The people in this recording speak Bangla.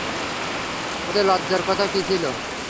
ওতে লজ্জার কথা কী ছিল?